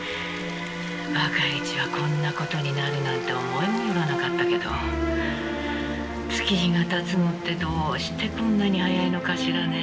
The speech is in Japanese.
「若いうちはこんな事になるなんて思いもよらなかったけど月日が経つのってどうしてこんなに早いのかしらね」